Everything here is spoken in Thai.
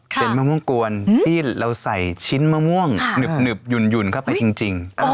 เป็นมะม่วงกวนที่เราใส่ชิ้นมะม่วงหนึบหยุ่นเข้าไปจริง